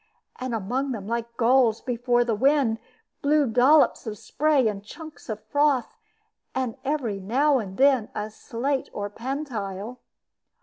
And among them, like gulls before the wind, blew dollops of spray and chunks of froth, with every now and then a slate or pantile.